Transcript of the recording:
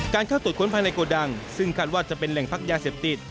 เข้าตรวจค้นภายในโกดังซึ่งคาดว่าจะเป็นแหล่งพักยาเสพติด